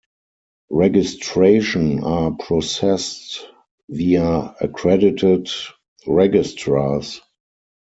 Registration are processed via accredited registrars.